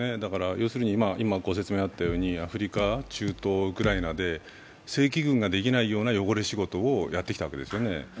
要するに、アフリカ、中東、ウクライナで正規軍ができないような汚れ仕事をやってきたわけですね。